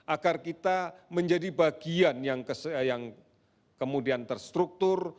agar kita menjadi bagian yang kemudian terstruktur